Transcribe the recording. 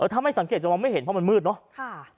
ถ้าไม่สังเกตจะมองไม่เห็นเพราะมันมืดเนอะ